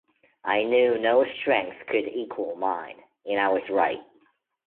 I knew no strength could equal mine, and I was right.